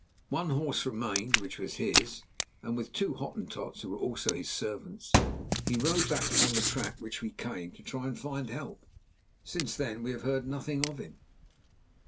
One horse remained, which was his, and with two Hottentots, who were also his servants, he rode back upon the track by which we came, to try to find help. Since then we have heard nothing of him."